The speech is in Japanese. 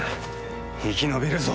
生き延びるぞ！